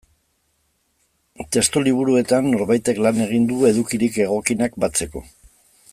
Testu liburuetan norbaitek lan egin du edukirik egokienak batzeko.